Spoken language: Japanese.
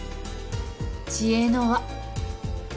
知恵の輪。